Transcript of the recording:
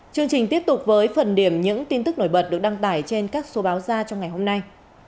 chương trình tiếp tục với phần điểm những tin tức nổi bật được đăng tải trên các số báo ra trong ngày hôm nay